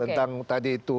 tentang tadi itu